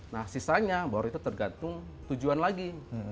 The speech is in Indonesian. nah sisanya baru itu tergantung tujuan lagi